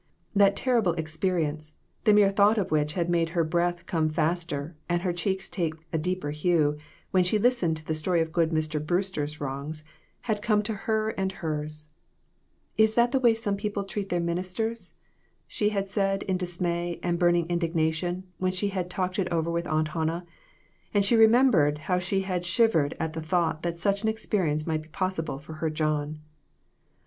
That terrible experience, the mere thought of which had made her breath come faster and her cheeks take a deeper hue when she listened to the story of good Mr. Brewster's wrongs, had come to her and hers ! "Is that the way some people treat their minis ters?" she had said in dismay and burning indig nation when she had talked it over with Aunt Hannah, and she remembered how she had shiv ered at the thought that such an experience might be possible for her John.